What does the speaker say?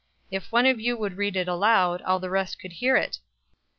If one of you would read it aloud, all the rest could hear it."